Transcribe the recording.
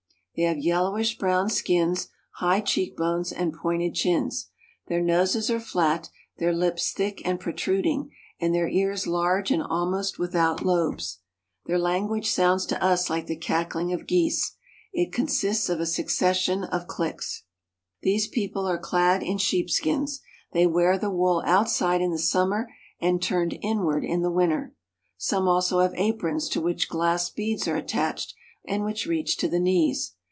They have yellowish brown skins, high cheekbones, and pointed chins. Their noses are flat, their lips thick and protruding, and their ears large and almost without lobes. Their language sounds to us like the cackling of geese; it consists of a succession of clicks. These people are clad in sheepskins. They wear the wool outside in the summer and turned inward in the winter. Some also have aprons to which gSass beads are attached, and which reach to the knees.